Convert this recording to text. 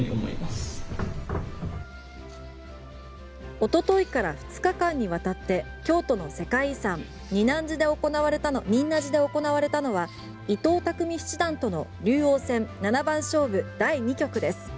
おとといから２日間にわたって京都の世界遺産の仁和寺で行われたのは伊藤匠七段との竜王戦７番勝負第２局です。